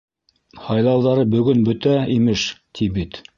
Һайлауҙары бөгөн бөтә, имеш, ти бит.